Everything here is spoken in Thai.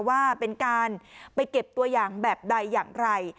ว่าเป็นการไปเก็บตัวอย่างแบบใดอย่างไร